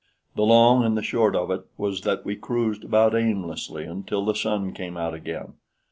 The long and the short of it was that we cruised about aimlessly until the sun came out again.